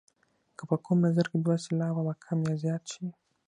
که په کوم نظم کې دوه سېلابه کم او یا زیات شي.